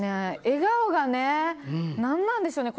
笑顔がね、何なんでしょうね。